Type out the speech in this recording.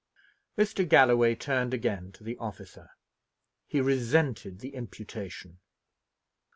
Mr. Galloway turned again to the officer. He resented the imputation.